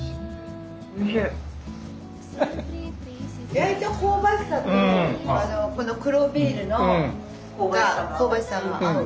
焼いた香ばしさとこの黒ビールの香ばしさが合う。